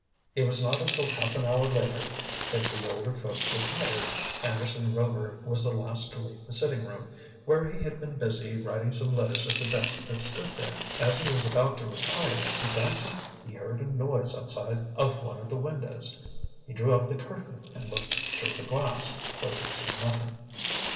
It was not until half an hour later that the older folks retired. Anderson Rover was the last to leave the sitting room, where he had been busy writing some letters at the desk that stood there. As he was about to retire he fancied he heard a noise outside of one of the windows. He drew up the curtain and looked through the glass, but could see nothing.